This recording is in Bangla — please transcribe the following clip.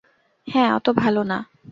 হ্যাঁ, অত ভালো না।